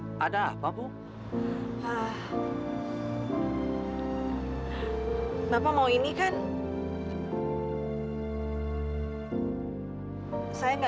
ini adalah tempat yang paling menyenangkan